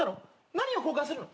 何を交換するの？